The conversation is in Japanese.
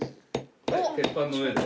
鉄板の上で。